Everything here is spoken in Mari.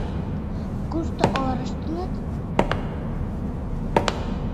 — Кушто орыштыныт?